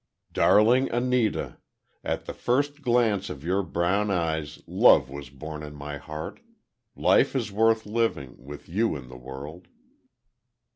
Darling Anita: At the first glance of your brown eyes love was born in my heart. Life is worth living—with you in the world.